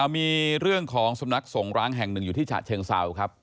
มีเรื่องของสำนักสงร้างแห่งหนึ่งอยู่ที่ฉะเชิงเซาครับ